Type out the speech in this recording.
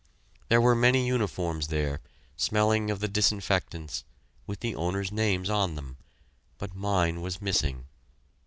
There were many uniforms there smelling of the disinfectants with the owners' names on them, but mine was missing.